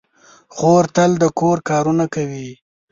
خور تل د کور کارونه کوي.